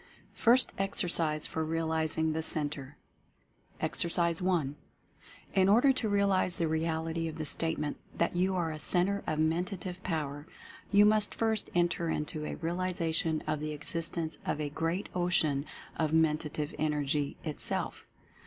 FIRST EXERCISE FOR REALIZING THE CENTRE. Exercise I. In order to realize the reality of the statement that you are a Centre of Mentative Power you must first enter into a realization of the existence of a Great Ocean of Mentative Energy itself.